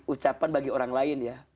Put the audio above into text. ucapan bagi orang lain ya